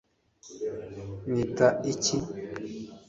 nita iki